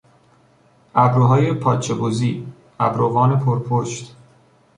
ابروهای پاچه بزی، ابروان پرپشت